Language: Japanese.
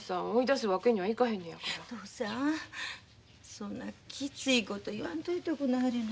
そんなきついこと言わんといておくんなはれな。